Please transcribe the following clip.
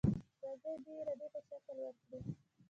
راځئ دې ارادې ته شکل ورکړو.